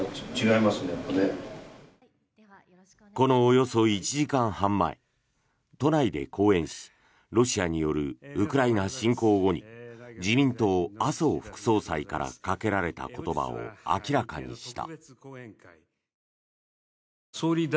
このおよそ１時間半前都内で講演しロシアによるウクライナ侵攻後に自民党、麻生副総裁からかけられた言葉を明らかにした。